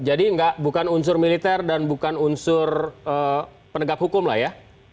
jadi bukan unsur militer dan bukan unsur penegak hukum lah ya